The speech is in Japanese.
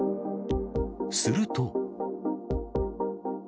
すると。